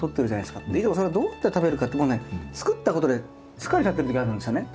いつもそれをどうやって食べるかってもうね作ったことで疲れちゃってる時あるんですよね。